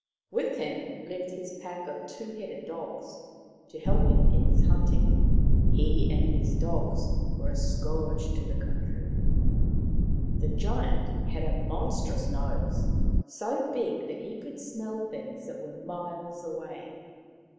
With him lived his pack of two headed dogs, to help him in his hunting. He and his dogs were a scourge to the country. The Giant had a monstrous nose, so big that he could smell things that were miles away.